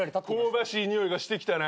香ばしいにおいがしてきたな。